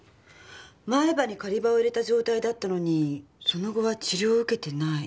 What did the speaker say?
前歯に仮歯を入れた状態だったのにその後は治療を受けてない。